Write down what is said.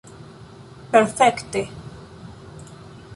Perfekte.